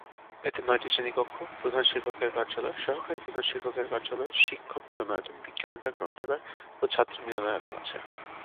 এতে নয়টি শ্রেণীকক্ষ, প্রধান শিক্ষকের কার্যালয়, সহকারী প্রধান শিক্ষকের কার্যালয়, শিক্ষক মিলনায়তন, বিজ্ঞানাগার, গ্রন্থাগার ও ছাত্রী মিলনায়তন আছে।